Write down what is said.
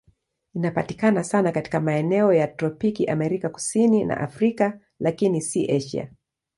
Inapatikana sana katika maeneo ya tropiki Amerika Kusini na Afrika, lakini si Asia.